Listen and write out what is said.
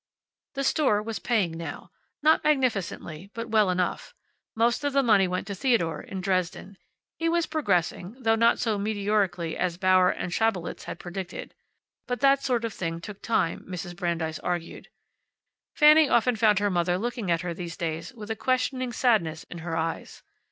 The store was paying, now. Not magnificently, but well enough. Most of the money went to Theodore, in Dresden. He was progressing, though not so meteorically as Bauer and Schabelitz had predicted. But that sort of thing took time, Mrs. Brandeis argued. Fanny often found her mother looking at her these days with a questioning sadness in her eyes.